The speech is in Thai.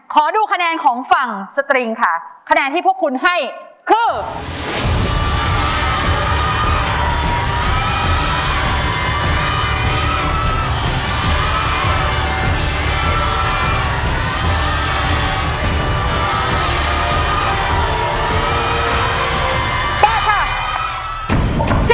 ขอดูคะแนนของฝั่งสตริงค่ะคะแนนที่พวกคุณให้คือ